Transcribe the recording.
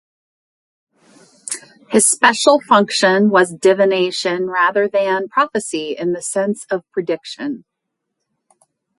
His special function was divination rather than prophecy in the sense of prediction.